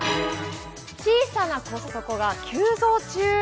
小さなコストコが急増中。